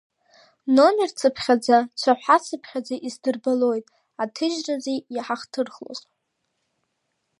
Номерцыԥ-хьаӡа, цәаҳәацыԥхьаӡа исдырбоит аҭыжьразы иҳахҭырхлоз.